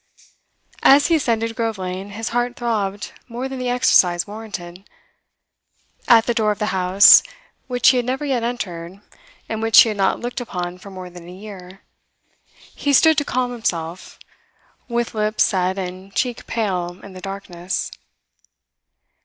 As he ascended Grove Lane his heart throbbed more than the exercise warranted. At the door of the house, which he had never yet entered, and which he had not looked upon for more than a year, he stood to calm himself, with lips set and cheek pale in the darkness.